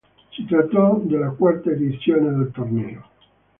Si trattò della quarta edizione del torneo.